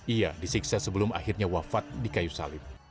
ia disiksa sebelum akhirnya wafat di kayu salim